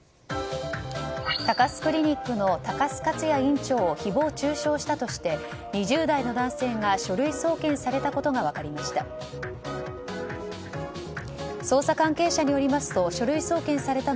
高須クリニックの高須克弥院長を誹謗・中傷として２０代の男性が書類送検されたことが分かりました。